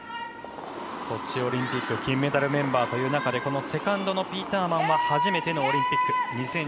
ソチオリンピック金メダルメンバーという中でセカンドのピーターマンは初めてのオリンピック。